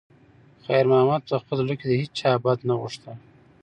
خیر محمد په خپل زړه کې د هیچا بد نه غوښتل.